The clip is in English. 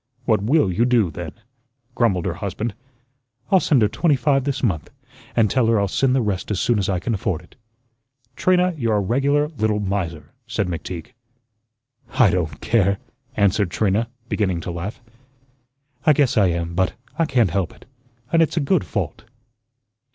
What WILL you do, then?" grumbled her husband. "I'll send her twenty five this month, and tell her I'll send the rest as soon as I can afford it." "Trina, you're a regular little miser," said McTeague. "I don't care," answered Trina, beginning to laugh. "I guess I am, but I can't help it, and it's a good fault."